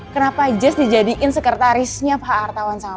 kenapa jess dijadiin sekretarisnya pak artawan sampai